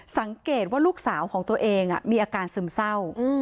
สังเกตว่าลูกสาวของตัวเองมีอาการซึมเศร้า